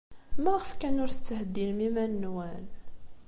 Maɣef kan ur tettheddinem iman-nwen?